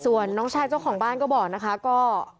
ส่วนน้องชายเจ้าของบ้านก็บอกนะคะก็